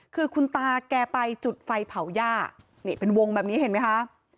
คือคุณตาแกไปจุดไฟเผาย่านี่เป็นวงแบบนี้เห็นไหมคะ